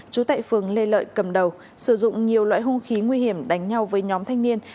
trú tại phường lê lợi cầm đầu sử dụng nhiều loại hung khí nguy hiểm đánh nhau với nhóm thanh niên